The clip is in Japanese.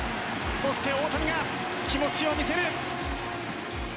そして、大谷が気持ちを見せる！